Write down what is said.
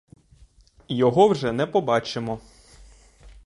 Його вже не побачимо.